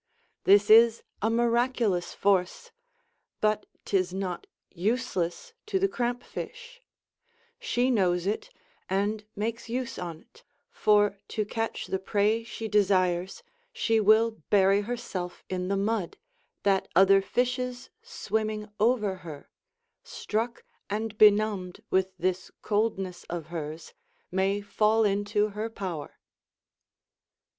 This is a miraculous force; but 'tis not useless to the cramp fish; she knows it, and makes use on't; for, to catch the prey she desires, she will bury herself in the mud, that other fishes swimming over her, struck and benumbed with this coldness of hers, may fall into her power.